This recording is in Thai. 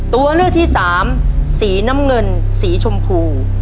ตัวเลือกที่สามสีน้ำเงินสีชมพู